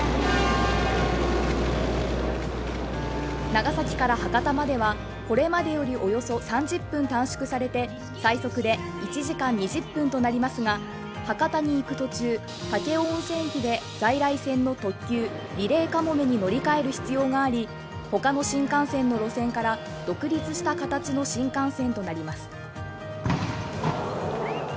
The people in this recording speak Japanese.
長崎から博多までは、これまでよりおよそ３０分短縮されて最速で１時間２０分となりますが、博多に行く途中武雄温泉駅で在来線の特急リレーかもめに乗り換える必要があり、他の新幹線の路線から独立した形の新幹線となります。